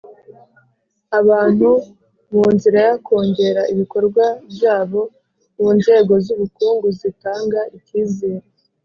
abantu mu nzira yo kongera ibikorwa byabo mu nzego z'ubukungu zitanga icyizere.